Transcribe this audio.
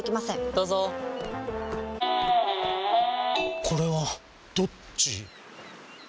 どうぞこれはどっち？